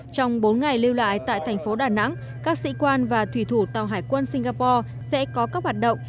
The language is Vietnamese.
trong bốn ngày lưu lại tại thành phố đà nẵng các sĩ quan và thủy thủ tàu hải quân singapore sẽ có các hoạt động